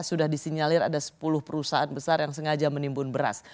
sudah disinyalir ada sepuluh perusahaan besar yang sengaja menimbun beras